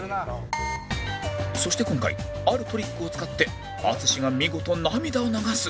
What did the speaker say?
そして今回あるトリックを使って淳が見事涙を流す